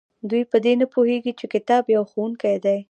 دوی په دې نه پوهیږي چې کتاب یو ښوونکی دی.